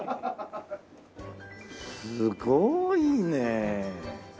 すごいねえ。